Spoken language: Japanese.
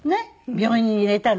病院に入れたの。